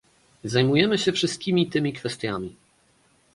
Zajmujemy się wszystkimi tymi kwestiami